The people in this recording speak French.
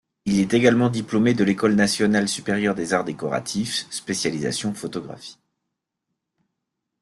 Il est également diplômé de l'École nationale supérieure des arts décoratifs, spécialisation photographie.